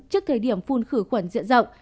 trước thời điểm phun khử khuẩn diện rộng